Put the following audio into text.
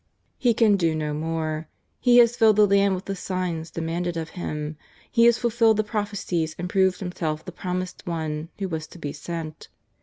He can do no more. He has filled the land with the " signs " demanded of Him. He has fulfilled the prophecies and proved Himself the Promised One who was to be sent.